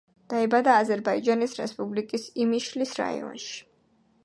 დაიბადა აზერბაიჯანის რესპუბლიკის იმიშლის რაიონში.